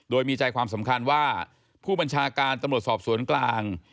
โดยมีใจความสำคัญว่าผู้บัญชาการตำรวจสอบสวนกลาง